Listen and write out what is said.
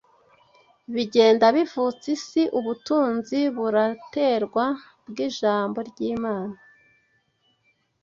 bigenda bivutsa isi ubutunzi buraterwa bw’Ijambo ry’Imana